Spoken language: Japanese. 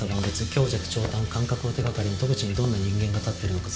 強弱長短間隔を手掛かりに戸口にどんな人間が立ってるのか推測が立つ。